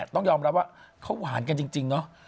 ต้องยอมรับว่าเขาหวานกันจริงเนาะ